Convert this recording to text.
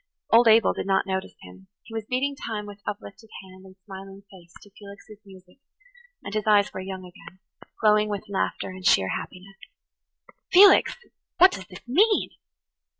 Old Abel did not notice him; he was beating time with uplifted hand and smiling face to Felix's music, and his eyes were young again, glowing with laughter and sheer happiness. "Felix! what does this mean?"